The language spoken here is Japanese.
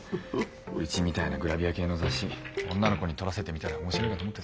うちみたいなグラビア系の雑誌女の子に撮らせてみたら面白いかと思ってさ。